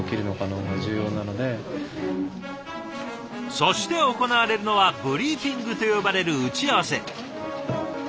そして行われるのは「ブリーフィング」と呼ばれる打ち合わせ。